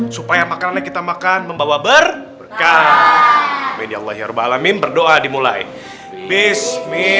supaya makanannya kita makan membawa berkah mini allahi ruba amin berdoa dimulai bismillahirrohmanirrohim